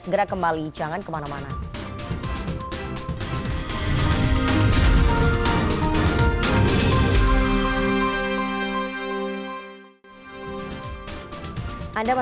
segera kembali jangan kemana mana